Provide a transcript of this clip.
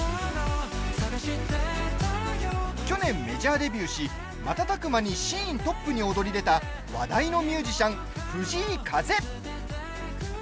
去年メジャーデビューし瞬く間にシーントップに躍り出た話題のミュージシャン、藤井風。